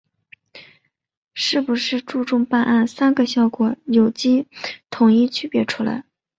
是不是注重办案‘三个效果’有机统一区别出来